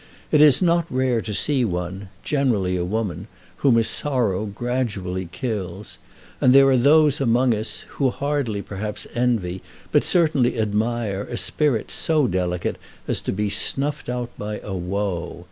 It is not rare to see one, generally a woman, whom a sorrow gradually kills; and there are those among us, who hardly perhaps envy, but certainly admire, a spirit so delicate as to be snuffed out by a woe.